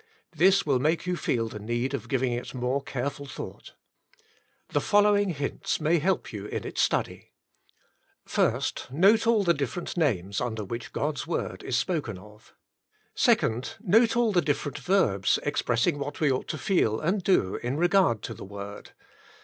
This will make you feel the need of giving it more careful thought. The fol lowing hints may help you in its study :— 1st. Note all the different names under which God's Word is spoken of. 2nd. Note all the different verbs expressing what we ought to feel and do in regard to the Word.